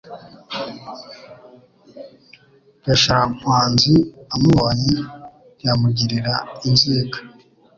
Gasharankwanzi amubonye ntiyamugirira inzika